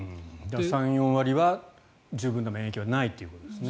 ３４割は十分な免疫はないということですね。